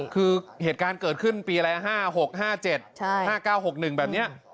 คือเหตุการณ์เกิดขึ้นปีอะไร๕๖๕๗๕๙๖๑แบบนี้